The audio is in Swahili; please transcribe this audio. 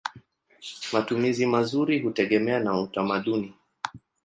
Matumizi mazuri hutegemea na utamaduni.